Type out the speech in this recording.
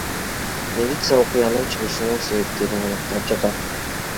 Милиция окуянын чыгышынын себептерин аныктап жатат.